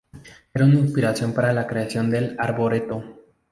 Eran una inspiración para la creación del arboreto.